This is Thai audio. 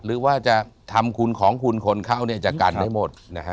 หรือว่าจะทำขุนของคนเขาเนี่ยจะกันได้หมดนะฮะ